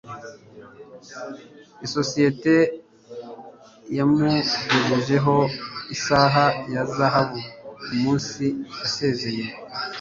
isosiyete yamugejejeho isaha ya zahabu umunsi yasezeye